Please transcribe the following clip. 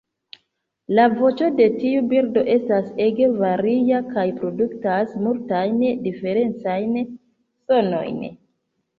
La voĉo de tiu birdo estas ege varia kaj produktas multajn diferencajn sonojn.